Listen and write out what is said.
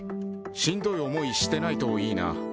しんどい思いしてないといいなぁ。